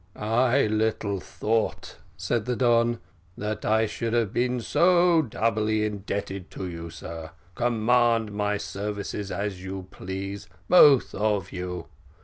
"I little thought," said the Don, "that I should have been so doubly indebted to you, sir. Command my services as you please, both of you.